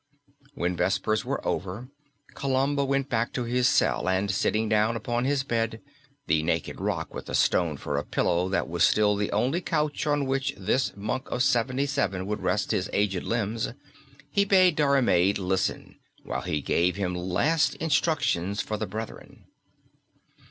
When Vespers were over, Columba went back to his cell and sitting down upon his bed the naked rock with a stone for a pillow that was still the only couch on which this monk of seventy seven would rest his aged limbs he bade Diarmaid listen while he gave him his last instructions for the brethren.